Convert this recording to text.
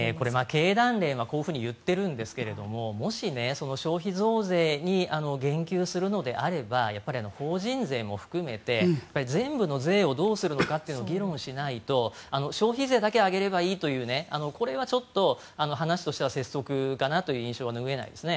経団連はこのように言っているんですがもし、消費増税に言及するのであれば法人税も含めて全部の税をどうするのかを議論しないと消費税だけ上げればいいというこれはちょっと話としては拙速かなという印象を拭えないですね。